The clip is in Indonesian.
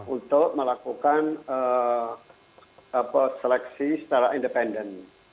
untuk melakukan seleksi secara independen